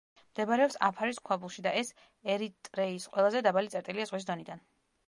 მდებარეობს აფარის ქვაბულში და ეს ერიტრეის ყველაზე დაბალი წერტილია ზღვის დონიდან.